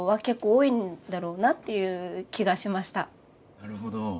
なるほど。